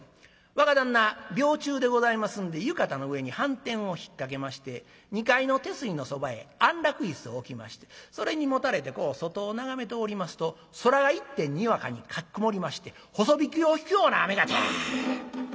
若旦那病中でございますんで浴衣の上にはんてんをひっかけまして２階の手すりのそばへ安楽椅子を置きましてそれにもたれてこう外を眺めておりますと空が一天にわかにかき曇りまして細引きを引くような雨がジャー。